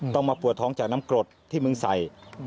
ต้องมาปวดท้องจากน้ำกรดที่มึงใส่